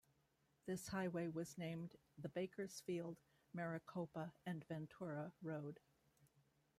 This highway was named the Bakersfield, Maricopa, and Ventura Road.